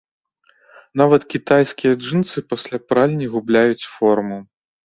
Нават кітайскія джынсы пасля пральні губляюць форму.